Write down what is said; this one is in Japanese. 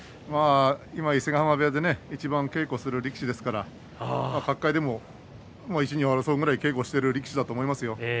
今、伊勢ヶ濱部屋でいちばん稽古をする力士ですから角界でも１、２を争うぐらい稽古をしている力士だと思いますよ。